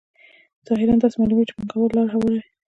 ظاهراً داسې معلومېږي چې پانګوال لار هواروي